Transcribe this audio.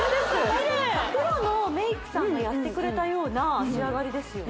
キレイプロのメイクさんがやってくれたような仕上がりですよね